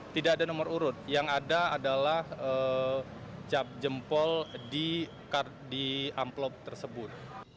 tidak ada nomor urut yang ada adalah cap jempol di amplop tersebut